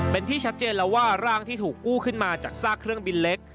เป็นที่ชัดเจนแล้วว่าร่างที่ถูกกู้ขึ้นมาจากซากเครื่องบินเล็ก